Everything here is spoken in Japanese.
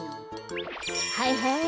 はいはい。